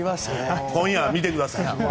今夜見てください。